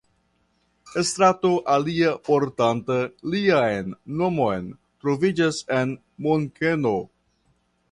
Strato alia portanta lian nomon troviĝas en Munkeno.